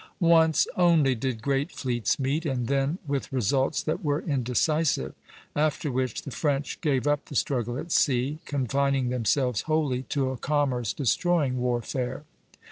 Once only did great fleets meet, and then with results that were indecisive; after which the French gave up the struggle at sea, confining themselves wholly to a commerce destroying warfare.